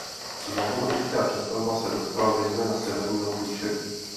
Novogotická přestavba se dotkla zejména severního průčelí.